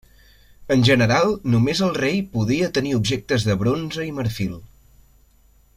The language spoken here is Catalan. En general, només el rei podia tenir objectes de bronze i marfil.